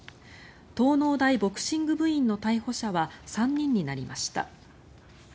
東農大ボクシング部員の逮捕者は３人になりました。